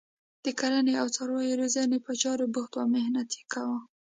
د کرنې او څاروي روزنې په چارو بوخت وو او محنت یې کاوه.